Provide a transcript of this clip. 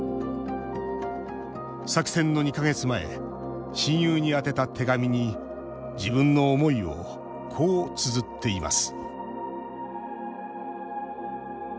作戦の２か月前親友に宛てた手紙に自分の思いをこうつづっています